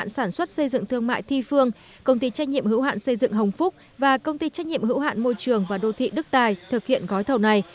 công ty trách nhiệm hữu hạn xây dựng thương mại thi phương công ty trách nhiệm hữu hạn xây dựng hồng phúc và công ty trách nhiệm hữu hạn môi trường và đô thị đức tài thực hiện gói thầu này